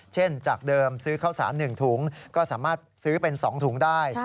จากเดิมซื้อข้าวสาร๑ถุงก็สามารถซื้อเป็น๒ถุงได้